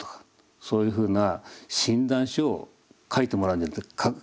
そういうふうな診断書を書いてもらうんじゃなくて書かせると。